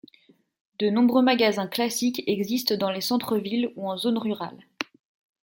De nombreux magasins classiques existent dans les centres-villes ou en zone rurale.